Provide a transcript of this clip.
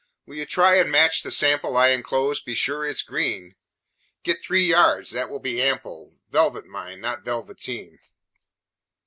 "Will you try and match the sample I enclose be sure it's green. Get three yards that will be ample. Velvet, mind, not velveteen.